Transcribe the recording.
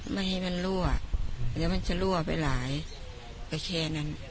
ไม่ให้มันรั่วเดี๋ยวมันจะรั่วไปหลายก็แค่นั้น